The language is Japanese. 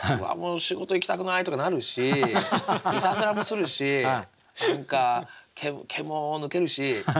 仕事行きたくないとかなるしいたずらもするし何か毛も抜けるし厄介なんですよ。